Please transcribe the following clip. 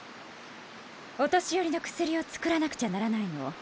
お年寄りの薬を作らなくちゃならないの。